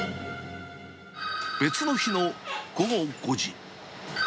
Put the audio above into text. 別の日の午後５時。